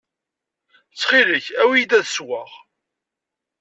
Ttxil-k, awi-yi-d ad sweɣ.